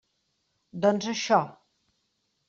Doncs això.